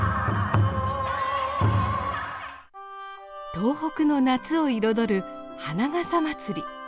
東北の夏を彩る花笠まつり。